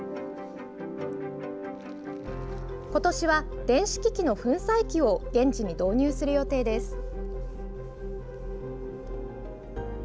今年は、電子機器の粉砕機を現地に導入する予定です。